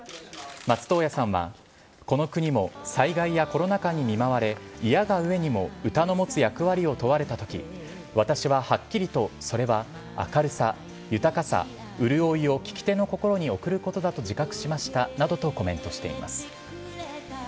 松任谷さんはこの国も災害やコロナ禍に見舞われ、いやがうえにも歌の持つ役割を問われたとき、私ははっきりと、それは明るさ、豊かさ、潤いを聞き手の心に送ることだと自覚しましたなどとコメントしています。